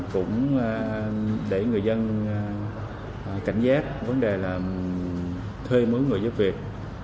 cũng để người dân cảnh giác vấn đề là thuê mỗi người giúp việc